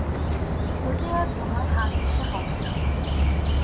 ওতে আর তোমায় হাত দিতে হবে না।